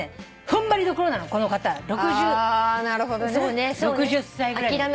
踏ん張りどころなのこの方６０歳ぐらいの。